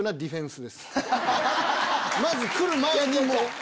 まず来る前に。